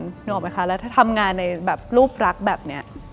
นึกออกไหมคะแล้วถ้าทำงานในแบบรูปรักแบบนี้